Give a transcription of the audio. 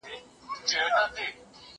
تر قیامته ورته نه سم ټینګېدلای